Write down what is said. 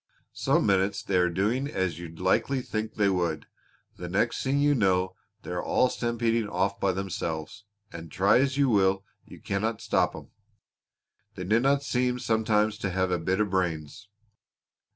Some minutes they are doing as you'd likely think they would; the next thing you know they are all stampeding off by themselves, and try as you will you cannot stop 'em. They dinna seem sometimes to have a bit of brains."